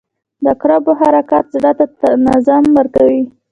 • د عقربو حرکت زړه ته نظم ورکوي.